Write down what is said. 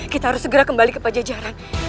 kita harus segera kembali ke pajajaran